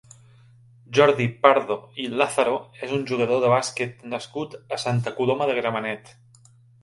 Jordi Pardo i Lázaro és un jugador de bàsquet nascut a Santa Coloma de Gramenet.